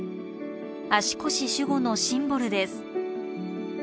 足腰守護のシンボルです。